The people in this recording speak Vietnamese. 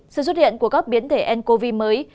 sự xuất hiện của các biến thể ncov mới